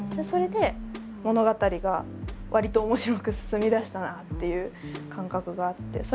それで物語がわりと面白く進みだしたなっていう感覚があって。